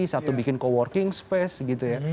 satu bikin co working space gitu ya